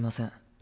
え？